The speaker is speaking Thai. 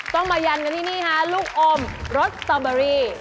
ต้องมายันกันที่นี่ฮะลูกอมรสสตอเบอรี่